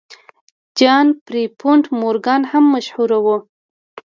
جان پیرپونټ مورګان هم مشهور و.